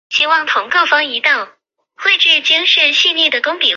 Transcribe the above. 本文给出一阶经典场论的协变表述的一些几何结构。